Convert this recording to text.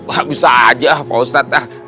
bagus aja ah pak ustadz